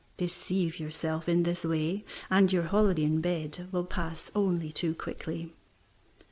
Deceive yourself in this way, and your holiday in bed will pass only too quickly.